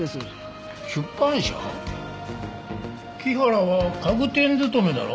木原は家具店勤めだろ？